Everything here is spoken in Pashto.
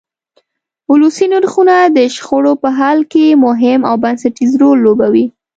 ولسي نرخونه د شخړو په حل کې مهم او بنسټیز رول لوبوي.